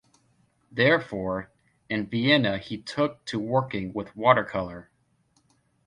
Therefore, in Vienna he took to working with watercolor.